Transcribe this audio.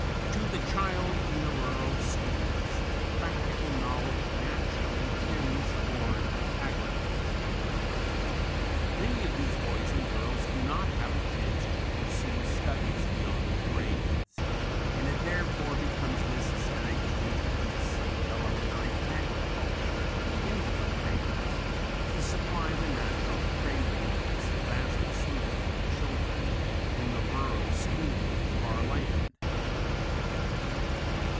To the child in the rural schools, practical knowledge naturally tends toward agriculture. Many of these boys and girls do not have a chance to pursue studies beyond the grades and it therefore becomes necessary to introduce some elementary agriculture into the grades to supply the natural craving of this vast assemblage of children in the rural schools of our land.